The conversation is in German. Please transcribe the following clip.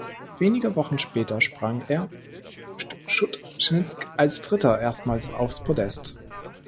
Wenige Wochen später sprang er Schtschutschinsk als Dritter erstmals aufs Podest.